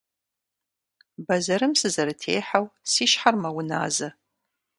Бэзэрым сызэрытехьэу си щхьэр мэуназэ.